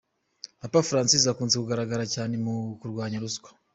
Papa Francis akunze kugaragara cyane mu kurwanya ruswa.